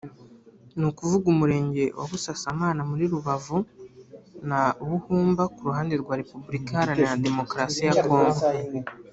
ni ukuvuga umurenge wa Busasamana muri Rubavu na Buhumba ku ruhande rwa Repubulika Iharanira Demokarasi ya Kongo